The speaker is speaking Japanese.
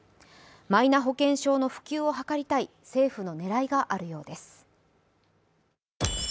マイナ保険証の普及を図りたい政府の狙いがあるようです。